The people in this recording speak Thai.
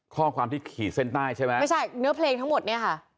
ข้อความที่ขีดเส้นใต้ใช่ไหมไม่ใช่เนื้อเพลงทั้งหมดเนี่ยค่ะ